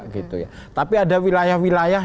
gitu ya tapi ada wilayah wilayah